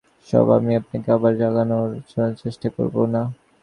এবং আমি আপনাকে আবার জাগানোর চেষ্টা করব না।